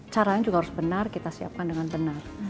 caranya juga harus benar kita siapkan dengan benar